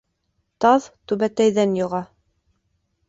Таҙ түбәтәйҙән йоға.